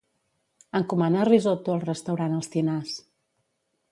Encomana risotto al restaurant Els Tinars.